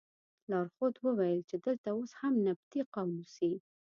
لارښود وویل چې دلته اوس هم نبطي قوم اوسي.